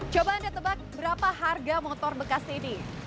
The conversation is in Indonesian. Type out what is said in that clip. coba anda tebak berapa harga motor bekas ini